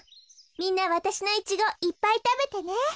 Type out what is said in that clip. みんなわたしのイチゴいっぱいたべてね。